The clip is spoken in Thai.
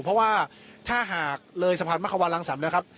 เพราะว่าถ้าหากเลยสะพานมะขวารังสรรค์นะครับ